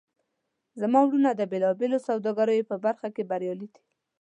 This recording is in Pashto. زما وروڼه د بیلابیلو سوداګریو په برخه کې بریالي دي